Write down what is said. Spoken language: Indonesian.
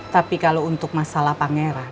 tapi kalau untuk masalah pangeran